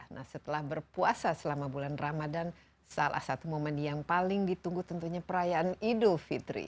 nah setelah berpuasa selama bulan ramadan salah satu momen yang paling ditunggu tentunya perayaan idul fitri